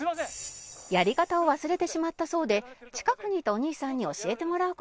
「やり方を忘れてしまったそうで近くにいたお兄さんに教えてもらう事に」